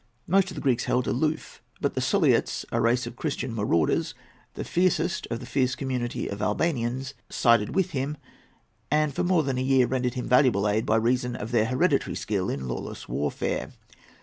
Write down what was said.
Most of the Greeks held aloof; but the Suliots, a race of Christian marauders, the fiercest of the fierce community of Albanians, sided with him, and for more than a year rendered him valuable aid by reason of their hereditary skill in lawless warfare.